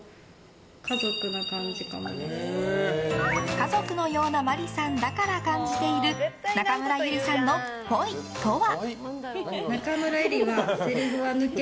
家族のようなｍａｒｉさんだから感じている中村ゆりさんの、っぽいとは？